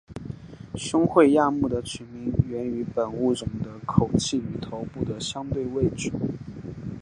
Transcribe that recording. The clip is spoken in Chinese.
胸喙亚目的取名源于本物种的口器与头部的相对位置。